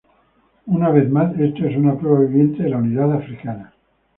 Una vez más, esto es una prueba viviente de la unidad africana.